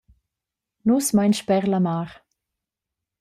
Nus mein sper la mar.